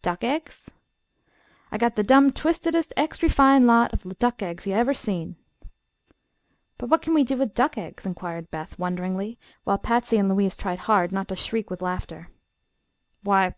"Duck eggs?" "I got the dum twistedest, extry fine lot o' duck eggs ye ever seen." "But what can we do with duck eggs?" inquired Beth, wonderingly, while Patsy and Louise tried hard not to shriek with laughter.